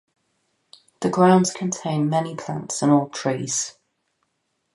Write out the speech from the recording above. The grounds contain many plants and old trees.